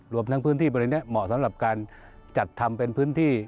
รวมทั้งพื้นที่บริเวณนี้เหมาะสำหรับการจัดทำเป็นพื้นที่